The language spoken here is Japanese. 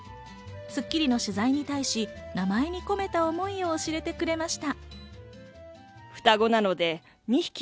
『スッキリ』の取材に対し、名前に込めた思いを教えてくれました。